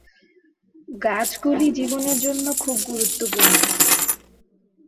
গাছগুলি জীবনের জন্য খুব গুরুত্বপূর্ণ।